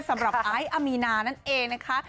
สำหรับอายอามีนานั่นเองนะคะ